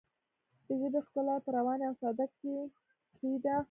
د ژبې ښکلا په روانۍ او ساده ګۍ کې ده.